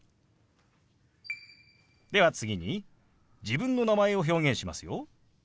では次に自分の名前を表現しますよ。